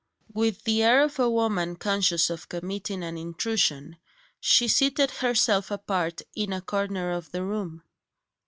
With the air of a woman conscious of committing an intrusion, she seated herself apart in a corner of the room.